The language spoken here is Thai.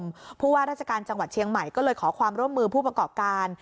เพราะว่าราชการจังหวัดเชียงใหม่ก็เลยขอความร่วมมือผู้ประกอบการ